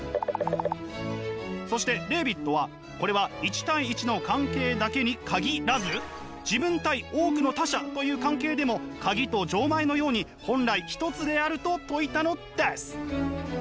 そしてレーヴィットはこれは１対１の関係だけに限らず「自分」対「多くの他者」という関係でもカギと錠前のように本来ひとつであると説いたのです。